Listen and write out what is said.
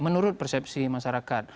menurut persepsi masyarakat